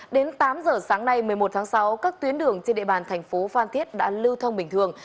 đến tám giờ sáng nay một mươi một tháng sáu các tuyến đường trên địa bàn thành phố phan thiết đã lưu thông bình thường